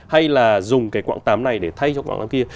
hay là dùng cái quảng tám này để thay cho quảng tám kia